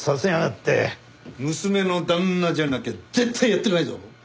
娘の旦那じゃなきゃ絶対やってないぞ！